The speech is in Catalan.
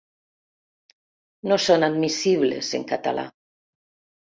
No són admissibles en català.